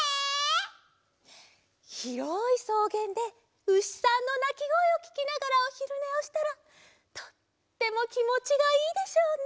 ひろいそうげんでうしさんのなきごえをききながらおひるねをしたらとってもきもちがいいでしょうね。